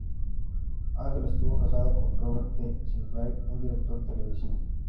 Angel estuvo casada con Robert B. Sinclair, un director televisivo.